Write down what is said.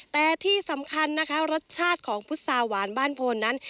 แต่ที่สำคัญนะคะรสชาติของพุษาหวานบ้านโพนนั้น